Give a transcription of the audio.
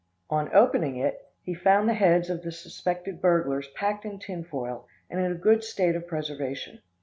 On opening it he found the heads of the suspected burglars packed in tinfoil and in a good state of preservation.